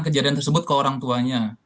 kejadian tersebut ke orang tuanya